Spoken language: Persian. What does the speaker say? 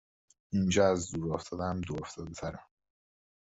اینجااز دور افتاده هم دور افتاده تره